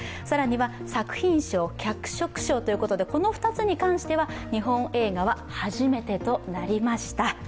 更には作品賞、脚色賞ということでこの２つに関しては日本映画は初めてとなりました。